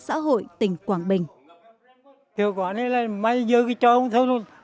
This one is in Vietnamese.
xã hội tỉnh quảng bình